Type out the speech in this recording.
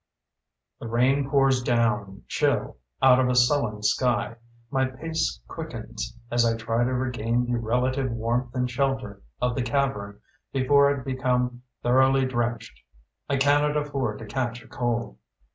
The rain pours down chill out of a sullen sky. My pace quickens as I try to regain the relative warmth and shelter of the cavern before I become thoroughly drenched. I cannot afford to catch a cold.